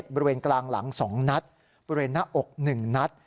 บริเวณกลางหลัง๒นัดบริเวณหน้าอก๑นัด